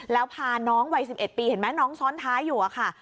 แล้วพาน้องวัย๑๑ปีเห็นไหมน้องซ้อนท้ายอยู่อะค่ะ